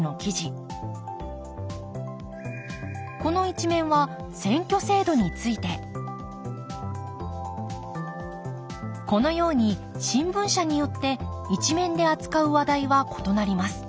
この１面は選挙制度についてこのように新聞社によって１面で扱う話題は異なります。